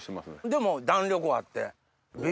でも弾力はあって。